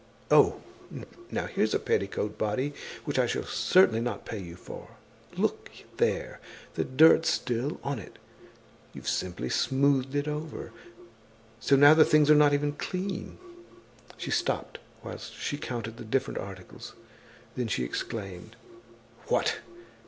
Oh! now, here's a petticoat body which I shall certainly not pay you for. Look there! The dirt's still on it, you've simply smoothed it over. So now the things are not even clean!" She stopped whilst she counted the different articles. Then she exclaimed: "What!